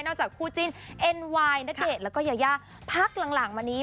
จากคู่จิ้นเอ็นไวน์ณเดชน์แล้วก็ยายาพักหลังมานี้